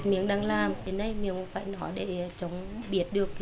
mình đang làm đến nay mình cũng phải nói để chồng biết được